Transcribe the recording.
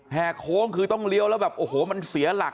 โค้งคือต้องเลี้ยวแล้วแบบโอ้โหมันเสียหลัก